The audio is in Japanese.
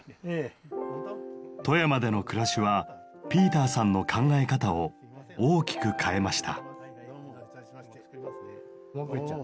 富山での暮らしはピーターさんの考え方を大きく変えました。